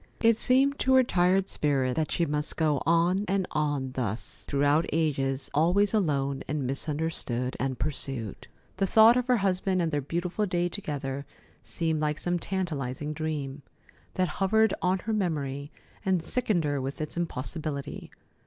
It seemed to her tired spirit that she must go on and on thus, throughout ages, always alone and misunderstood and pursued. The thought of her husband and their beautiful day together seemed like some tantalizing dream, that hovered on her memory and sickened her with its impossibility.